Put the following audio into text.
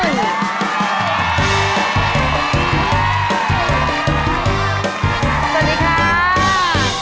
สวัสดีค่ะ